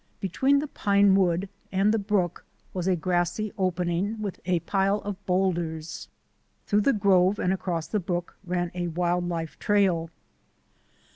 Between the pine wood and the brook was a grassy opening with a pile of boulders. Through the grove and across the brook ran a wild life trail.